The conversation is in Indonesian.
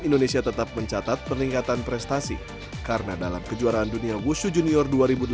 indonesia tetap mencatat peningkatan prestasi karena dalam kejuaraan dunia wushu junior dua ribu delapan belas